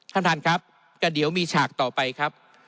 ท่านท่านครับก็เดี๋ยวมีฉากต่อไปครับ